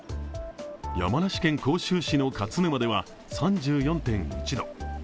山梨県甲州市の勝沼では３４．１度。